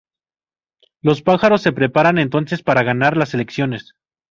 Los pájaros se preparan entonces para ganar las elecciones.